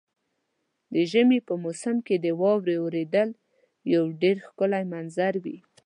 د ژمي په موسم کې د واورې اورېدل یو ډېر ښکلی منظر وي.